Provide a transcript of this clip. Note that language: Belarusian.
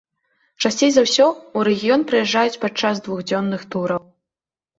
Часцей за ўсё ў рэгіён прыязджаюць падчас двухдзённых тураў.